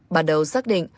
bắt đầu xác định